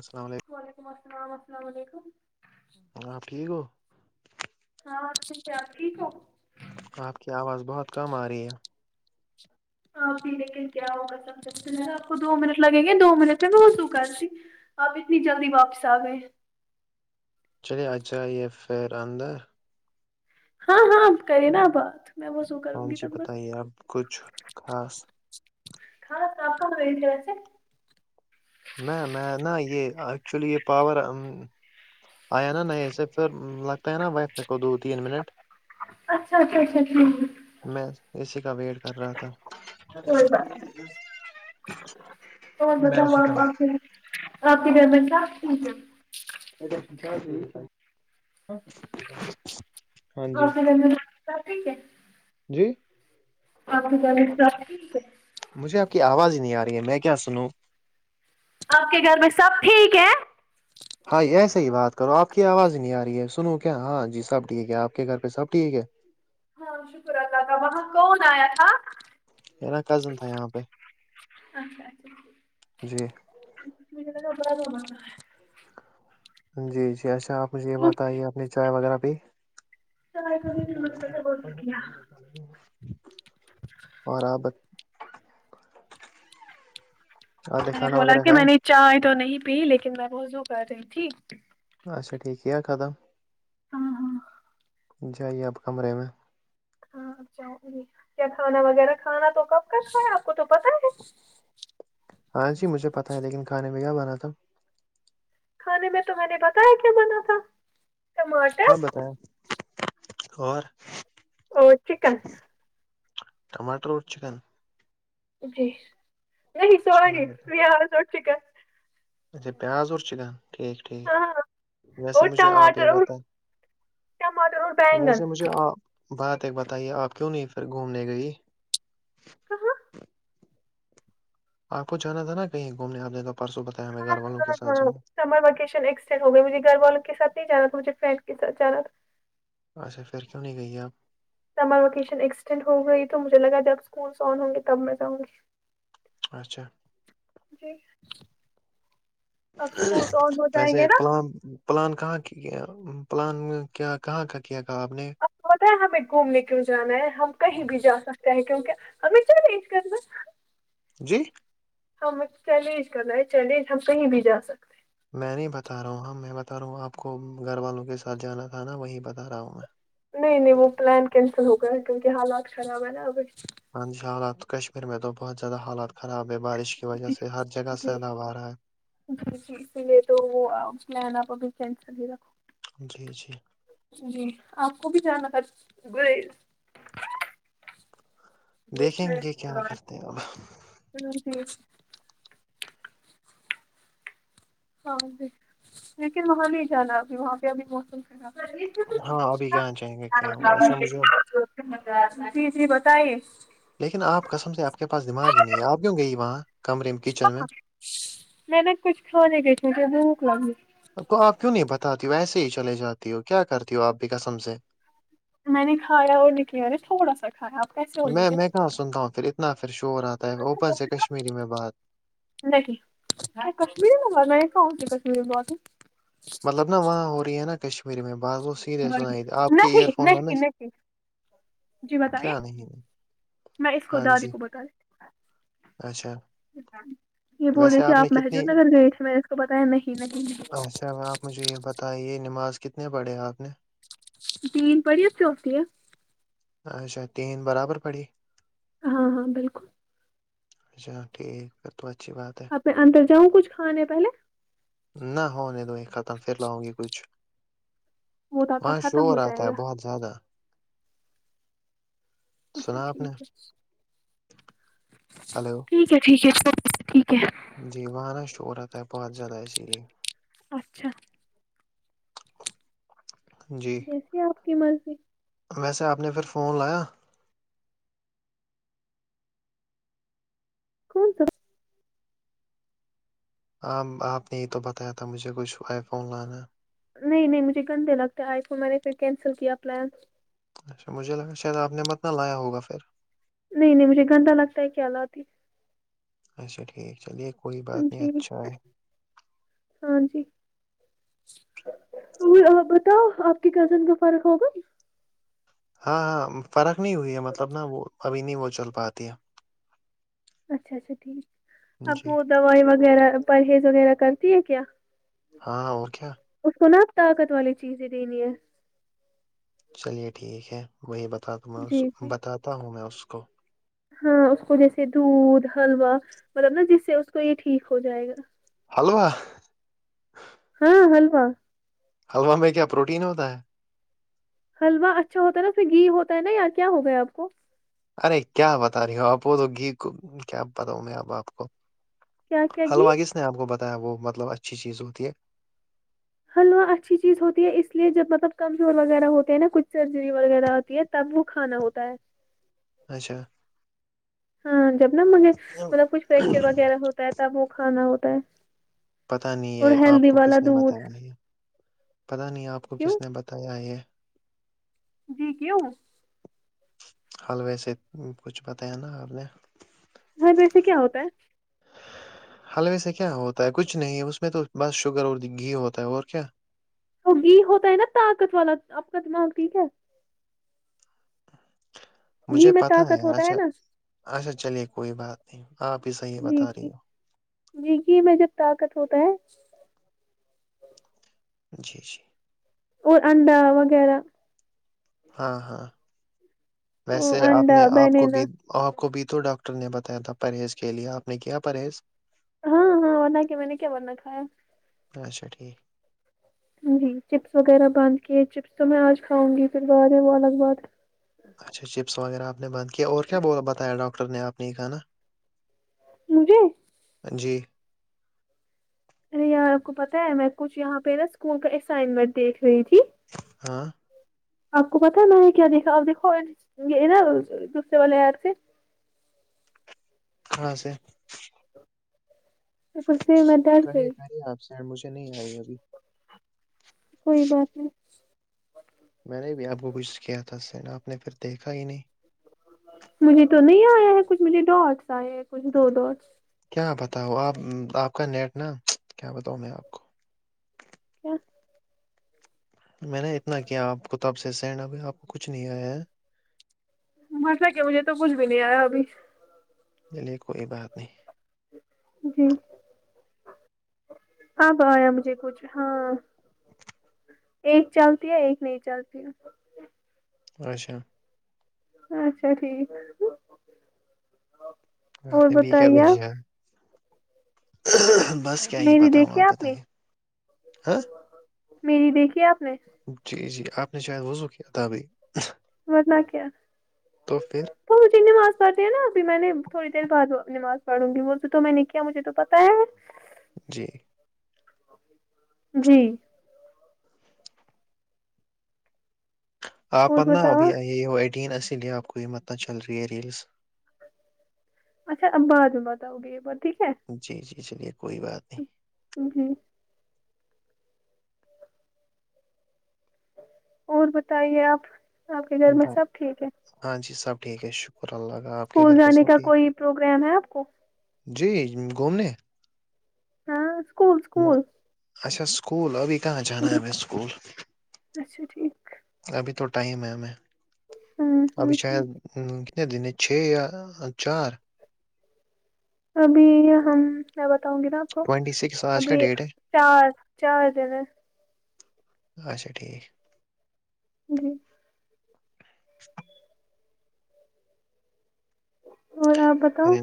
السلام علیکم وعلیکم السلام السلام علیکم ہاں ٹھیک ہو ہاںٹھ چا ٹھیک ہو آپ کی آواز بہت کم آ رہی ہے ہ پیلے کے کیا ہوگا سب آپ کو دو منٹ لگیں گے دو منٹ میں میں وہسو کرتی آپ اتنی جلدی واپس آ گئے چلیے آ جائیے پھر اندر ہاں ہاں کری نا بات میں ہاں کروں گی جی تب بتائیے اب کچھ خاص کاا آپ رہ تھ وسے میں میں ن یہ ایکچولی یہ پاور آیا نا نہیں ایے پھر لگ نا وائف میں کو دو تین منٹ اچھا اچھا اچھا ٹھیک ہے، میں اسی کا ویٹ کر رہا تھا کوئی بات نہیں میں اس رک میں ٹھیک ہے ایڈیکش آ پ ٹھیک ہے جی آپ سبیک مجھے آپ کی آواز ہی نہیں آ رہی ہے میں کیا سنوں آپ کے گھر میں سب ٹھیک ہے ہاں ہاں یہسے ہی بات کرو آپ کی آواز نہیں آ رہی ہے سنو کیا ہاں جی سب ٹھیک ہے آپ کے گھر پہ سب ٹھیک ہے ہاں شکر اللہ کا وہاں کون آیا تھا نا کزن تھا یہاں پہ جی مھا کپڑا سا ہے جی جی اچھا آپ مجھے یہ بتائیے اپنی چائے وغیرہ بھی لگا بہت کیا اور آپ آپ میں نے کھانا بولا وغیرہ کہ میں نے کھایا چائے تو نہیں پی لیکن میں وہ کر رہی تھی اچھا ٹھیک کیا ہے خدم ہاں ہاں جائیے آپ کمرے میں ہاں اچا کیا کھانا وغیرہ کھانا تو کب کا کا ہے آپ کو تو پتہ ہے آنسیی مجھے پتہ ہے لیکن کھانے میں کیا بناات تھا کھانے میں تو میں نے بتایا کیا منا تھا ٹماٹر کہاں بتیا اور او چکن ٹماٹر اور چکن جی نہیں اچھی سوری بات ہے ر آاز اٹ چکا اچھا پیاز اور چکن ٹھیک ٹھیک ہاں ویسے اور مجھے آپ یہ ٹماٹر اور بتائ ٹماٹر اور بینگن ویسے مجھے آپ بات ایک بتائیے آپ کیوں نہیں پھر گھومنے گئی کہاں آپ کو جانا تھا نا کہیں گھومنے آپ نے تو پرسوں بتایا ہمیں گھر والوں کے ہاں ساتھ ہاں جائیں سمر ویکشن ہو گیا مجے گھر والوں کے سات نہیں جا تھا مجھے فڈ ک جانا تھا اسا پھر کیوں نہیں گئی ہے آپ سمر ویکیشن ایکسٹینڈ ہو گ رہی تو مجھے لگا جب اسکولس آن ہ گے تب میں جاں گی اچھا جی اب اسکولس آن ہو جائیں ویسے گے نا پلام پلان کہاں کی کیا پلان کیا کہاں کا کیا تھا آپ نے اچ بتیں ہمیں گھومنے کی جانا ہے ہم کہیں بھی جا سکتے ہیں کیونکہ ہمیں چیلنج کرنا [inaudible] جی ہم چیلنج کرنا ہے چیلنج ہم کہیں بھی جا سکتے ہیں میں نہیں بتا رہا ہوں ہاں میں بتا رہا ہوں آپ کو گھر والوں کے ساتھ جانا تھا نا وہی بتا رہا ہوں میں نہیں نہیں وہ پلان کینسل ہو گیا ہے کیونکہ حالات خراب ہے نا اب ہ حالات کشمیر میں تو بہت زیادہ حالات خراب ہے بارش کی وجہ جی سے ہر جگہ سناوا رہا ہے [unintelligible] جی جی اس لیے تو وہلین آپ ابھی چین ہی رکھو [inaudible] جی جی جی آپ کو بھی جگ گ [inaudible] دیکھیں گے کیا کرتے ہیں اب ج [inaudible] ہاں جی لیکن وہاں نہیں جانا ابھی وہاں پہ ابھی موسم [inaudible] ہاں ابھی کہاں جائیں گے کیا ہوا اچھا مجھے اب [inaudible] جی جی بتائیے لیکن آپ کسم سے آپ کے پاس دماغ ہی نہیں ہے آپ کیوں گئی وہاں کمرے میں کچن میں میں نےا کچھ کھانے بیھے کہ بھوک لگی اب تو آپ کیوں نہیں بتات ہو ایسے ہی چلے جاتی ہو کیا کرتی ہو آپ بھی کسم سےیں میں نے کھایا اور لکل اے تھوڑا سا کھایا آپ کیسے ہو میں لیجیے میں کہاں سنتا ہوں پھر اتنا پھر شور آتا ہے اوپن سے کشمیری میں بات نہیں کشمیری میں بات میں کہن سے کشمیری میں بات مطلب نا وہاں ہو رہی ہے نا کشمیری میں بات وہ سیدھے سناائی آپ کے ایئر نہیں فون ن ہے نہیں نہیں جی بتائیے میں اس کو ہاں دادی جی کو بتا دیتی ہ اچھا یہ بول رہے ویسے کہ نے آپ کتنی محجود نگر گئے تھے میں نے اس کو پتا ہے نہیں نہیں نہیں نہیں اچھا آپ مجھے یہ بتائیے نماز کتنے پڑے ہیں آپ نے تین پڑیے چ ہوتی [inaudible] اچھا تین برابر پڑی ہاں ہاں بالکل اچھا ٹھیک کر تو اچھی بات ہے اپنے اندر جاؤں کچھ کھانے پہلے نہ ہونے دو ہییں ختم پھر لوں گی کچھ وہ تب وہاں تک ختم شور ہو آتا جائے ہے گا بہت زیادہ اچھا سنا آپ ٹھیک نے ہلو ہے ٹھیک ہے ٹھیک ہے ٹھیک ہے [inaudible] جی وہاں ن شٹ ہو رہتا ہے بہت زیادہ اسی لیے اچھا جی جیسی آپ کی مرضی ویسے آپ نے پھر فون لایا کون تو [unintelligible] آ آپ نے یہ تو بتایا تھا مجھے کچھ آئی فون لانا نہیں نہیں مجھے گندے لگتے آئے کو میں نے پھر کینسل کیا پلان اچھا مجھے لگا شاید آپ نے مت نہ لایا ہوگا پھر نہیں نہیں مجھے گھنہ لگتا ہے کیالاتات ہی [unintelligible] اچا ٹھیک چلیے کوئی بات نہیں جی اچھا ہے ہاں جی اور بتاؤ آپ کے کزن کا فرق ہوگا ہاں ہاں فرق نہیں ہوئی ہے مطلب نا وہ ابھی نہیں وہ چل پاتی ہے اچھا اچھا ٹھیک ہے اب جی وہ دوائی وغیرہ پرہیز وغیرہ کرتی ہے کیا ہاں اور کیا اس کو نا آپ طاقت والی چیزیں دینی ہے چلیے ٹھیک ہے وہی بتا دوں میں اس جی جی بتاتا ہوں میں اس کو ہاں اس کو جیسے دودھ حلوا مطلب نا جس سے اس کو یہ ٹھیک ہو جائے گا حلوا ہاں ہیلوا حلوا میں کیا پروٹین ہوتا ہے حلوا اچھا ہوتا ہے نا پھر گھی ہوتا ہے نا یا کیا ہو گیا آپ کو ارے کیا بتا رہی ہو آپ وہ تو گھی کو کیا بتاؤں میں اب آپ کو کیا کیا گھی حلوا کس نے آپ کو بتایا وہ مطلب اچھی چیز ہوتی ہے ہلوا اچھی چیز ہوتی ہے اس لیے جب مطلب کمزور وغیرہ ہوتے ہیں نا کچھ سرجری وغیرہ ہوتی ہے تب وہ کھانا ہوتا ہے اچھا ہاں جب نا مجھے مطلب کچھ فریکچر وغیرہ ہوتا ہے تب وہ کھانا ہوتا ہے پتا نہیں اور ہے آپ ہیلدی کو والا کس نے دودھ بتایا ہے پتا نہیں آپ کو کیوں کس نے بتایا ہے جی کیوں حال ویسے کچھ پتا ہے نا آ نے ہاں بییسے کیا ہوتا ہے حلوے سے کیا ہوتا ہے کچھ نہیں ہے اس میں تو بس شوگر اور گھی ہوتا ہے اور کیا تو گھی ہوتا ہے نا طاقت والا آپ کا دماغ ٹھیک ہے گھی مجھے میں پتا ہے طاقت ہوتا اچھا نا اچھا چلیے کوئی بات نہیں آپ ہی صحیح بتا جی رہی ہو جی گھی میں جب طاقت ہوتا ہے جی جی اور انڈا وغیرہ ہاں ہاں ویسے آپ انڈا نے آپ کو بنینا بھی آپ کو بھی توو ڈاکٹر نے بتایا تھا پرہیز کے لیے آپ نے کیا پرہیز ہاں ہاں بنا کے میں نے کیا بننا کھیا اچھا ٹھیک جی چپس وغیرہ بند کیے چپس تو میں آج کھاؤں گی پھر بعدے وہ لگ بعد اچھا چپس وغیرہ آپ نے بند کیا اور کیا بتایا ڈاکٹر نے آپ نے یہ کھانا مجھے جی ارے یہار آپ کو پتاہ ہے میں کچھ یہاں پہ نا اسکول کا اسائنمنٹ دیکھ رہی تھی ہاں آپ کو پتا ہے میںنے کیا دیکھا ا دیکھو یہ نا دوسرے والے سے کہاں سے [unintelligible] کرے کرے آپ س مجھے نہیں آئی ابھی کوئی بات نہیں میں نے بھی آپ کو کچھ کیا تھا شاید آپ نے پھر دیکھا ہی نہیں مجھے تو نہیں آیا ہے کچھ مجھے ڈاٹس آئے ہیں کچھ دو ڈاٹس کیا بتاؤ آپ آپ کا نیٹ نا کیا بتاؤ میں آپ کو کیا میں نے اتنا کیا آپ کو تب سے سینڈ ابھی آپ کو کچھ نہیں آیا ہے بسک کہ مجھے تو کچھ بھی نہیں آیا ابھی نہی نہی کوئی بات نہیں جی اب آیا مجھے کچھ ہاں ایک چلتی ہے ایک نہیں چلتی ہے اچھا اچھا ٹھیک اور آپ نے بھی کیا بتائیے بھیجا آپ ہے بس کیا ہی میری پتا ہوں دیکھی آپ نے بتایئے ہاں میری دیکھی آپ نے جی جی آپ نے شاید وضو کیا تھا ابھی ورنہ کیا تو پھر تو مجھے نماز پڑھتے ہیں نا ابھی میں نے تھوڑی دیر بعد نماز پڑھوں گی وہ جو تو میں نے کیا مجھے تو پتاہ ہے جی جی آپ اور متنا ابھی بتاؤ یہ ہو ایڈین ایی لے آپ کو یہ متنا چل رہی ہے ریلس اچھا آپ بعد می بتوگے یے بات ٹھیک ہے جی جی چلیے کوئی بات نہیں جی اور بتائیے آپ آپ کے گھر میں بات سب ٹھیک ہے ہاں جی سب ٹھیک ہے شکرہ شکر اللہ کا آپ کے اسکول گھر پہ جانے سب کا ٹھیک کوئی پروگرام ہے آپ کو جی گھومنے ہاں اسکول نہ اسکول اچھا اسکول ابھی کہاں جانا ہے ہمیں اسکول اچھا ٹھیک ابھی تو ٹائم ہے ہمیں ہ ابھی ہ ٹھیک شاید ہوں کتنے دنے چھ یا چار ابھی ہم میں بتاؤں گی ناپ ٹوینٹی سکس آج کا ابھی ڈیٹ ہے چار چار جن اھا ٹھیک جی اور آپ بتاؤ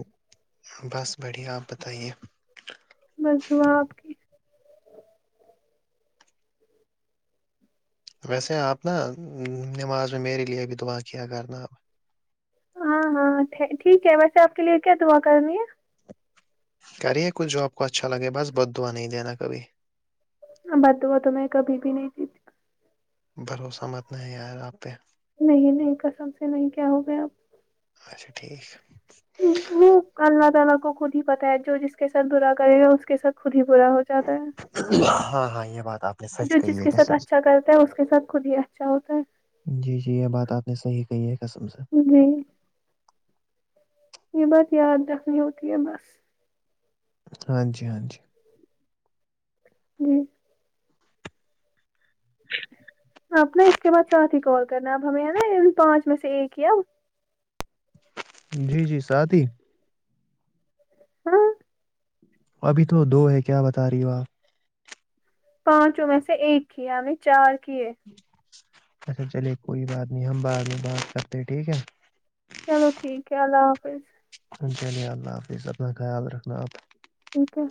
بس بڑھیا آپ بتائیے مس دوں آ آپ کی ویسے آپ نا نماز میں میرے لیے ا بھی دبعا کیا کرنا آپ ہاں ہاں ٹھیک ہے ویسے آپ کے لیے کیا دعا کرنی ہے کریے کچھ جو آپ کو اچھا لگے بس بد دا نہیں دینا کبھی تو وہ تو میں کبھی بھی نہیں جیتی بھروسہ متنا ہے یار آپ پہ نہیں نہیں کسم سے نہیں کیا ہو گیا آپ اچھا ٹھیک [unintelligible] جو جس کے ساتھ اچھا کرتا ہے اس کے ہاں ساتھ ہاں یہ بات خود آپ نے سچ ہی کہی ہے قسم اچھا سے اچ کیاا ہوتا ہے جی جی یہ بات آپ نے صحیح کہی ہے قسم سے ہے جی یہ بات یاد رکھنا ہوتی بس ہاں جی ہاں جی جی آپ اس کے بعد ساتھ ہی کال کرنا اب ہمیں نا پانچ میں سے ایک ہی جی جی سات ہی ہاں ابھی تو دو ہے کیا بتا رہی ہو آپ پانچوں میں سے ایک کی ہمیں چار کیے اچھا چلیے کوئی بات نہیں ہم بعد میں بات کرتے ٹھیک ہے چلو ٹھیک ہے اللہ حافظ ان چلے اللہ حافظ اپنا خیال رکھنا آپ ٹھیک ہے